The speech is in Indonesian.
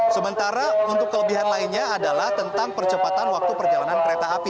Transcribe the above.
sementara untuk kelebihan lainnya adalah tentang percepatan waktu perjalanan kereta api